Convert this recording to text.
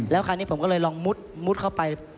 แล้วคราวนี้ผมก็เลยลองมุดเข้าไป